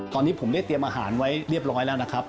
ตอนนี้ผมได้เตรียมอาหารไว้เรียบร้อยแล้วนะครับ